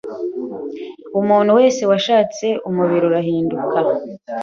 Umuntu wese washatse umubiri, urahinduka